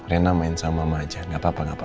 reina main sama mama aja enggak apa apa